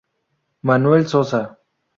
Manuel Sosa